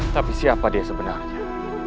tapi siapa dia sebenarnya